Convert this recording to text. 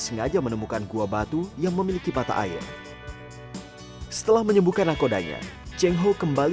sengaja menemukan gua batu yang memiliki patah air setelah menyembuhkan nahkodanya cengho kembali